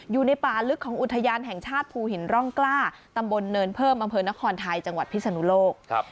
อยู่ในป่าลึกของอุทยานแห่งชาติภูหินร่องกล้าตำบลเนินเพิ่มอำเภอนครไทยจังหวัดพิศนุโลก